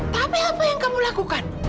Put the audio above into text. tapi apa yang kamu lakukan